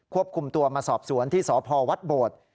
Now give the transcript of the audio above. ควบคุมตัวมาสอบสวนที่สพวัดโบด